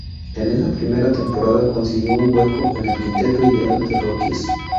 En esa primera temporada consiguió un hueco en el quinteto ideal de "rookies".